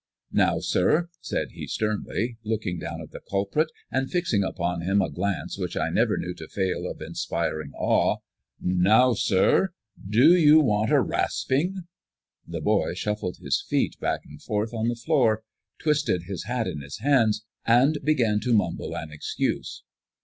"Now, sir," said he sternly, looking down at the culprit, and fixing upon him a glance which I never knew to fail of inspiring awe, "Now, sir, do you want a rasping?" The boy shuffled his feet back and forth on the floor, twisted his hat in his hands, and began to mumble an excuse.